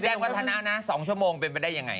แจ้งวัฒนานะ๒ชั่วโมงเป็นไปได้อย่างไร